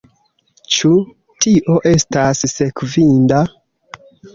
Ĉu tio estas sekvinda?